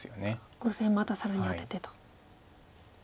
５線また更にアテてと。